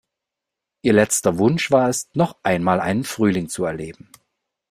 Ihr letzter Wunsch war es, noch einmal einen Frühling zu erleben.